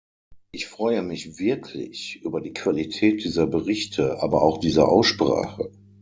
Ich freue mich wirklich über die Qualität dieser Berichte, aber auch dieser Aussprache.